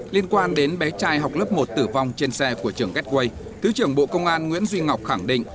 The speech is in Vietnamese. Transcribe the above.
liên quan đến bé trai học lớp một tử vong trên xe của trường gateway thứ trưởng bộ công an nguyễn duy ngọc khẳng định